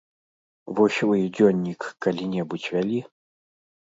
Вось вы дзённік калі-небудзь вялі?